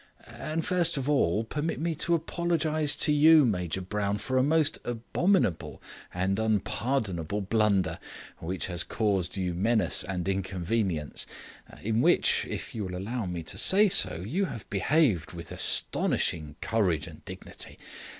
"And, first of all, permit me to apologize to you, Major Brown, for a most abominable and unpardonable blunder, which has caused you menace and inconvenience, in which, if you will allow me to say so, you have behaved with astonishing courage and dignity.